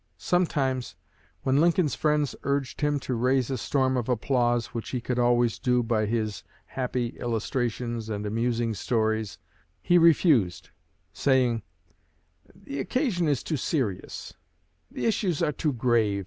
Sometimes, when Lincoln's friends urged him to raise a storm of applause, which he could always do by his happy illustrations and amusing stories, he refused, saying, 'The occasion is too serious; the issues are too grave.